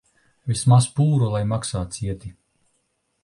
Vismaz pūru lai maksā cieti.